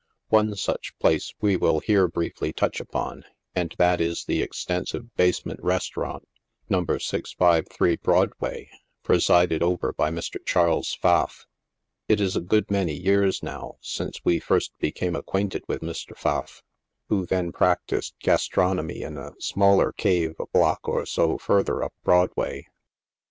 One such place we will here briefly touch upon, and that is the extensive basement restaurant, No. G53 Broadway, presided over by Mr. Charles Pfaff. It is a good many years, now, since we first became acquainted with Mr. Pfaff, who then practiced gastron omy in a smaller cave, a block or so further up Broadway.